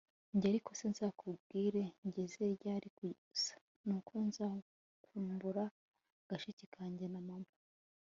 njye ariko se nzakubwire ngeze ryari, gusa nuko nzakumbura gashiki kanjye na mama